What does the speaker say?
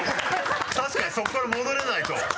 確かにそこから戻れないと。